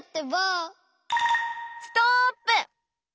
ストップ！